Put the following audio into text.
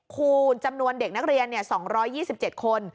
คูณจำนวนเด็กนักเรียน๒๒๗คน